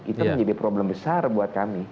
itu menjadi problem besar buat kami